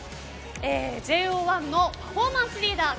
ＪＯ１のパフォーマンスリーダー